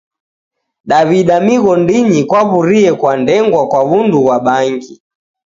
Daw'ida mighondinyi kwaw'uriye kwa ndengwa kwa w'undu ghwa bangi.